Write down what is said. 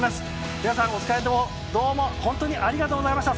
皆さんお疲れのところどうも本当にありがとうございました。